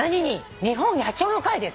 日本野鳥の会です。